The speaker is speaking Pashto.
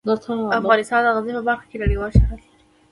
افغانستان د غزني په برخه کې نړیوال شهرت لري.